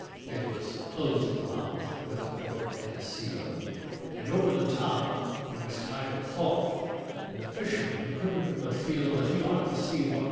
It was closed at the mouth with a cork and a seal, And over the top there was tied A cloth, and the fisherman couldn't but feel That he ought to see what was inside.